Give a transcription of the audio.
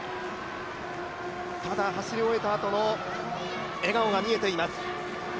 ただ、走り追えたあとの笑顔が見えています。